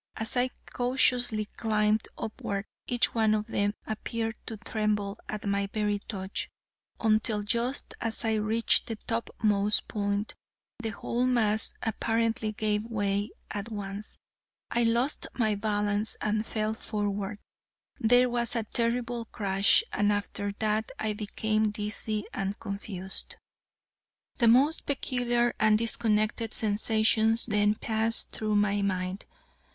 As I cautiously climbed upward, each one of them appeared to tremble at my very touch, until just as I reached the topmost point the whole mass apparently gave way at once, I lost my balance and fell forward, there was a terrible crash, and after that I became dizzy and confused. The most peculiar and disconnected sensations then passed through my mind.